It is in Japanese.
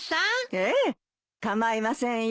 ええ構いませんよ。